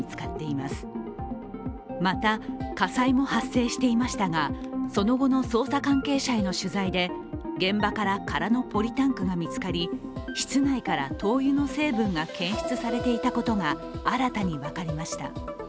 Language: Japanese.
また火災も発生していましたが、その後の捜査関係者への取材で現場から空のポリタンクが見つかり室内から灯油の成分が検出されていたことが新たに分かりました。